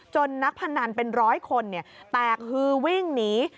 นักพนันเป็นร้อยคนแตกฮือวิ่งหนี